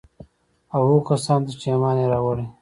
او هغو کسان ته چي ايمان ئې راوړى